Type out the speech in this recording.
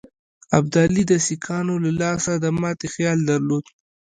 ابدالي د سیکهانو له لاسه د ماتي خیال درلود.